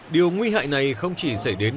điều nguy hại này không chỉ xảy đến